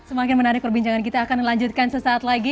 semakin menarik perbincangan kita akan lanjutkan sesaat lagi